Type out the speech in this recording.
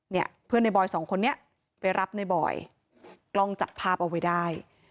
เนี่ยเพื่อนในบอยสองคนนี้ไปรับในบอยกล้องจับภาพเอาไว้ได้